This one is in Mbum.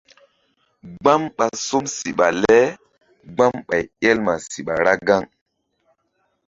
Gbam ɓa som siɓa le gbam ɓay el ma siɓa ra gaŋ.